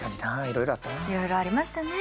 いろいろありましたね。